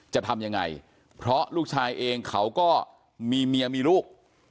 จะทำยังไงเพราะลูกชายเองเขาก็มีเมียมีลูก